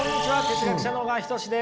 哲学者の小川仁志です。